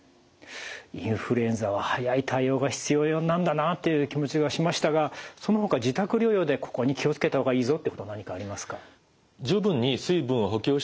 インフルエンザは早い対応が必要なんだなという気持ちがしましたがそのほか自宅療養でここに気を付けた方がいいぞってこと何かありますか？